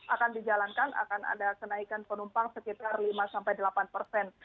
akan dijalankan akan ada kenaikan penumpang sekitar lima sampai delapan persen